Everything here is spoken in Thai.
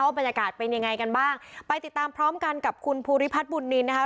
บรรยากาศเป็นยังไงกันบ้างไปติดตามพร้อมกันกับคุณภูริพัฒน์บุญนินนะคะ